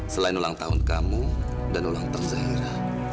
selain ulang tahun kamu dan ulang tahun zaira